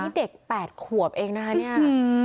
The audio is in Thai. นี่เด็ก๘ขวบเองนะคะเนี่ย